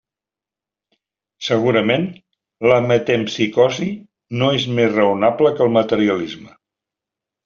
Segurament, la metempsicosi no és més raonable que el materialisme.